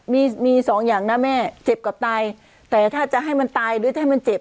มีมีสองอย่างนะแม่เจ็บกับตายแต่ถ้าจะให้มันตายหรือถ้ามันเจ็บ